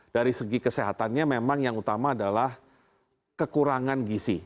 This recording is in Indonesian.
dari segi kesehatannya memang yang utama adalah kekurangan gisi